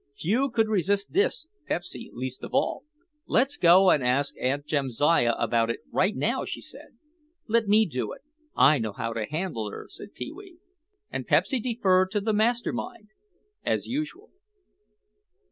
Few could resist this, Pepsy least of all. "Let's go and ask Aunt Jamsiah about it right now," she said. "Let me do it, I know how to handle her," said Pee wee. And Pepsy deferred to the master mind, as usual....